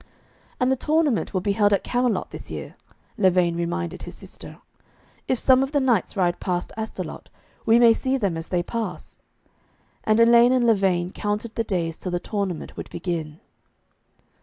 'And the tournament will be held at Camelot this year,' Lavaine reminded his sister. 'If some of the knights ride past Astolat, we may see them as they pass.' And Elaine and Lavaine counted the days till the tournament would begin.